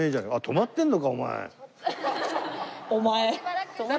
止まってんのかお前。